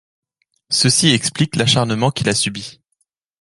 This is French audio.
Ceci explique l'acharnement qu'il a subi.